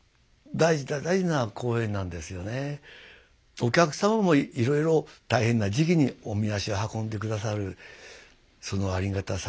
お客様もいろいろ大変な時期におみ足を運んでくださるそのありがたさですよね。